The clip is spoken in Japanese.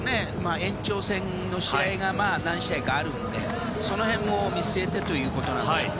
延長戦の試合が何試合かあるのでその辺も見据えてということでしょうね。